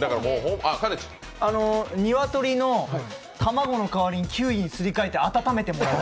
鶏の卵の代わりにキウイにすり替えて温めてもらう。